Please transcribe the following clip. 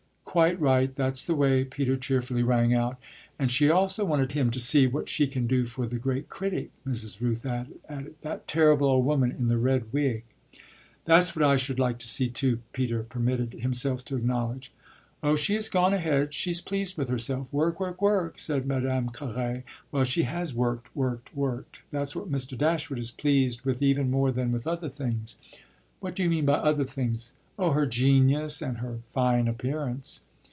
"Quite right; that's the way!" Peter cheerfully rang out. "And she also wanted him to see what she can do for the great critic," Mrs. Rooth added "that terrible old woman in the red wig." "That's what I should like to see too," Peter permitted himself to acknowledge. "Oh she has gone ahead; she's pleased with herself. 'Work, work, work,' said Madame Carré. Well, she has worked, worked, worked. That's what Mr. Dashwood is pleased with even more than with other things." "What do you mean by other things?" "Oh her genius and her fine appearance."